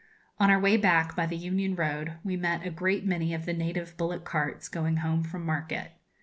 On our way back, by the Union Road, we met a great many of the native bullock carts going home from market.